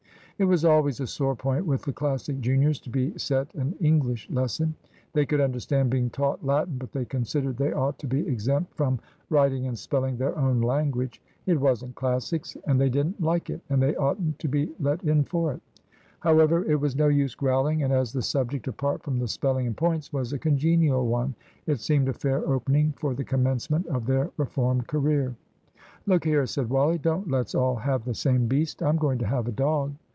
It was always a sore point with the Classic juniors to be set an English lesson. They could understand being taught Latin, but they considered they ought to be exempt from writing and spelling their own language. It wasn't Classics, and they didn't like it, and they oughtn't to be let in for it. However, it was no use growling; and as the subject (apart from the spelling and points) was a congenial one, it seemed a fair opening for the commencement of their reformed career. "Look here," said Wally, "don't let's all have the same beast. I'm going to have a dog."